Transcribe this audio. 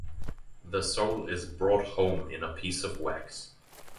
The soul is brought home in a piece of wax.